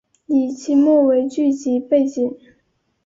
以清末为剧集背景。